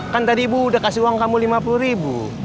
kan dari ibu udah kasih uang kamu lima puluh ribu